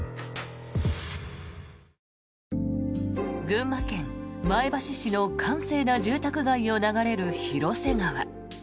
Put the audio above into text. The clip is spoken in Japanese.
群馬県前橋市の閑静な住宅街を流れる広瀬川。